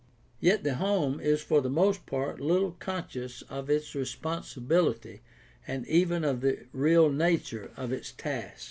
Yet the home is for the most part little conscious of its responsi bility and even of the real nature of its task.